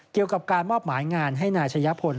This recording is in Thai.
เกี่ยวกับการมอบหมายงานให้นายชะยะพล